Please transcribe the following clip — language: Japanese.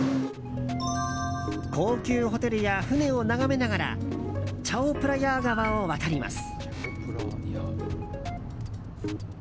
高級ホテルや船を眺めながらチャオプラヤー川を渡ります。